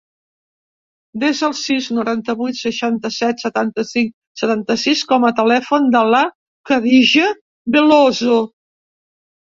Desa el sis, noranta-vuit, seixanta-set, setanta-cinc, setanta-sis com a telèfon de la Khadija Veloso.